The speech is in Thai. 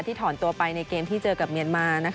ที่ถอนตัวไปในเกมที่เจอกับเมียนมาร์นะคะ